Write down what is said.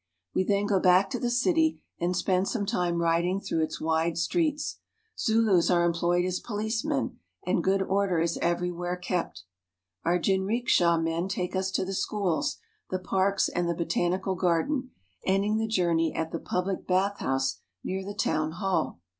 We then go back to the city and spend some time riding through its wide streets. Zulus are employed as policemen, and ' good order is everywhere kept. Our jinriksha men take us to the schools, the parks, and the ''^'' ^^^^m " botanical garden, ending the journey at the public bathhouse n 9' '' near the Town Hall.